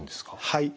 はい。